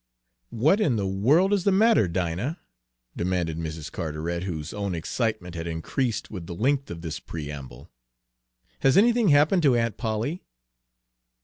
"What in the world is the matter, Dinah?" demanded Mrs. Carteret, whose own excitement had increased with the length of this preamble. "Has anything happened to Aunt Polly?"